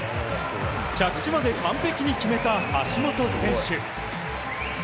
着地まで完璧に決めた橋本選手。